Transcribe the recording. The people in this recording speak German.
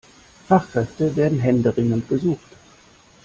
Fachkräfte werden händeringend gesucht.